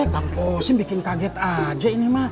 kak kosim bikin kaget saja ini ma